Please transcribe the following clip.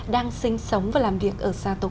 đang sinh sống và làm việc ở xa tổ quốc